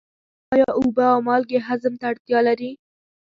آیا اوبه او مالګې هضم ته اړتیا لري؟